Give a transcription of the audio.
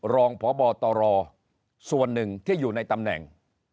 รองพบตรส่วนหนึ่งที่อยู่ในตำแหน่ง